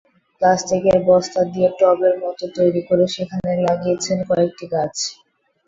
প্লাস্টিকের বস্তা দিয়ে টবের মতো তৈরি করে সেখানে লাগিয়েছেন কয়েকটি গাছ।